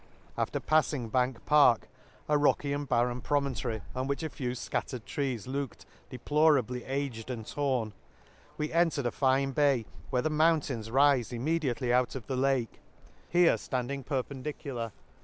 —After paffing Bank Park, a rocky and barren promontory, on which a few fcattered trees looked deplorably aged and torn, we entered a fine bay, where £he mountains rife immediately out of the Lake ; here Handing perpendicular, there the Lakes.